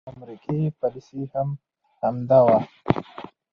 د امريکې پاليسي هم دا وه